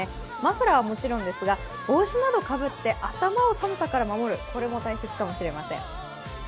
マフラーはもちろんですが、帽子などをかぶって、頭を寒さから守る、これも大切かもしれません。